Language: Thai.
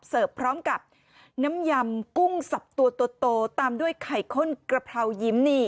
พร้อมกับน้ำยำกุ้งสับตัวโตตามด้วยไข่ข้นกระเพรายิ้มนี่